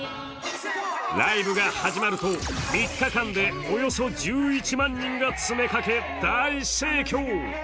ライブが始まると、３日間でおよそ１１万人が詰めかけ大盛況。